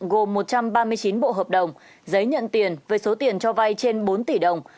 gồm một trăm ba mươi chín bộ hợp đồng giấy nhận tiền với số tiền cho vay trên bốn tỷ đồng